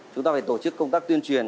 chúng ta phải tổ chức công tác tuyên truyền